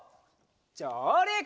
じょうりく！